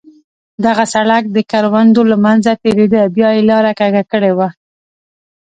دغه سړک د کروندو له منځه تېرېده، بیا یې لاره کږه کړې وه.